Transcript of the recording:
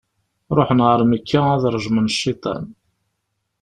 Ruḥen ɣer Mekka ad rejmen cciṭan.